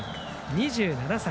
２７歳。